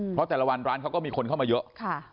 เพราะแต่ละวันร้านเขาก็มีคนเข้ามาเยอะ